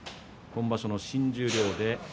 今場所は新十両です。